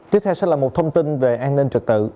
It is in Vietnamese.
tiếp theo sẽ là một thông tin về an ninh trật tự